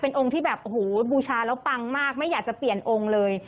องค์ที่แบบโอ้โหบูชาแล้วปังมากไม่อยากจะเปลี่ยนองค์เลย